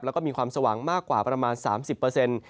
แล้วก็มีความสว่างมากกว่าประมาณ๓๐เปอร์เซ็นต์